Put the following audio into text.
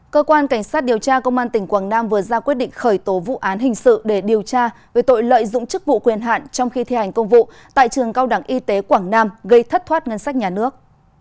cơ quan cảnh sát điều tra công an tỉnh quảng nam vừa ra quyết định khởi tố vụ án hình sự để điều tra về tội lợi dụng chức vụ quyền hạn trong khi thi hành công vụ tại trường cao đẳng y tế quảng nam gây thất thoát ngân sách nhà nước